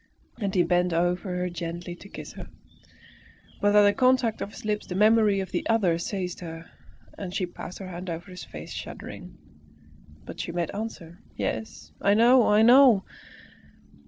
And he bent over her gently to kiss her. But at the contact of his lips the memory of the other seized her, and she passed her hand over her face shuddering. But she made answer, "Yes, I know, I know!"